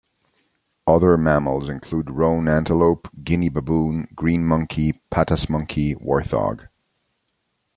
Other mammals include roan antelope, Guinea baboon, green monkey, patas monkey, warthog.